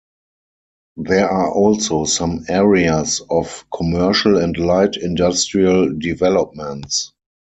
There are also some areas of commercial and light industrial developments.